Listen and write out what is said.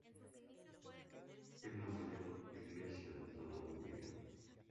Es la mayor iglesia de toda Umbría.